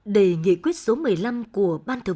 đề nghị quyết số một mươi năm của ban chủ tịch